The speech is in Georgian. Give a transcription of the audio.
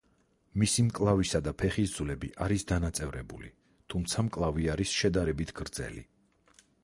მისი მკლავისა და ფეხის ძვლები არის დანაწევრებული, თუმცა მკლავი არის შედარებით გრძელი.